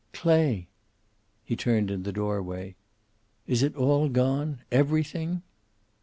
"Clay!" He turned in the doorway. "Is it all gone? Everything?"